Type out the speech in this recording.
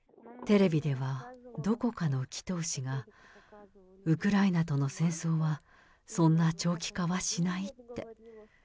テレビでは、どこかの祈とう師が、ウクライナとの戦争はそんな長期化はしないって。